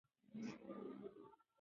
که تاسې پام ونه کړئ نو اوبه به خلاصې شي.